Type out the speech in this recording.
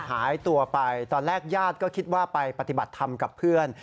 หายตัวไปตอนแรกญาติก็คิดว่าไปปฏิบัติธรรมกับเพื่อน